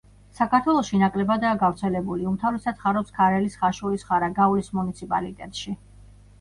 საქართველოში ნაკლებადაა გავრცელებული, უმთავრესად ხარობს ქარელის, ხაშურის, ხარაგაულის მუნიციპალიტეტში.